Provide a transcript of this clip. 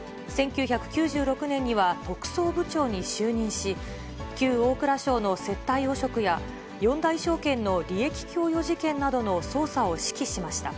１９９６年には特捜部長に就任し、旧大蔵省の接待汚職や、四大証券の利益供与事件の捜査を指揮しました。